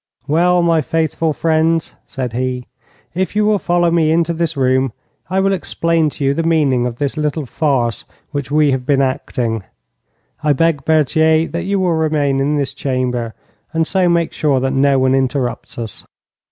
'Well, my faithful friends,' said he, 'if you will follow me into this room, I will explain to you the meaning of this little farce which we have been acting. I beg, Berthier, that you will remain in this chamber, and so make sure that no one interrupts us.'